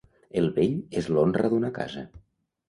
El vell és l'honra d'una casa.